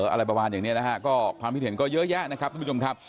อะไรประมาณอย่างนี้ความผิดเห็นก็เยอะแยะนะครับ